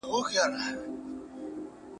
د ريأ په سپين لباس کي